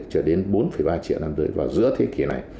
trở đến bốn ba triệu nam giới vào giữa thế kỷ này